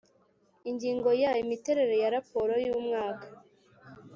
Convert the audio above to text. Ingingo ya Imiterere ya raporo y umwaka